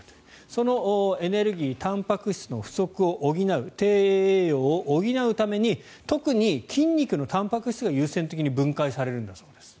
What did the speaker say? そのエネルギー、たんぱく質の不足を補う低栄養を補うために特に筋肉のたんぱく質が優先的に分解されるんだそうです。